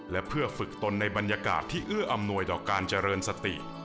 และเพื่อฝึกตนในบรรยากาศที่เอื้ออำนวยต่อการเจริญสติ